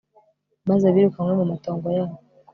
maze birukanwe mu matongo yabo